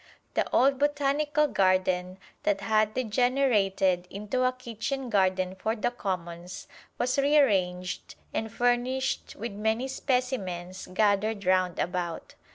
The old Botanical Garden that had degenerated into a kitchen garden for the Commons was rearranged and furnished with many specimens gathered round about.